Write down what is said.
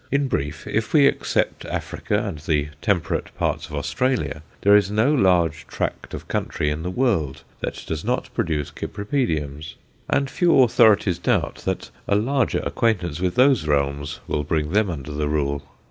In brief, if we except Africa and the temperate parts of Australia, there is no large tract of country in the world that does not produce Cypripediums; and few authorities doubt that a larger acquaintance with those realms will bring them under the rule.